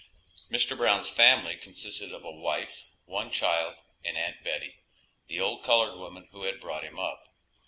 Mr. Brown's family consisted of a wife, one child, and Aunt Betty, the old colored woman who had brought him up.